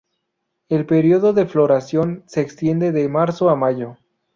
El período de floración se extiende de marzo a mayo.